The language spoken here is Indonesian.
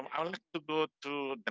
hanya pada oktober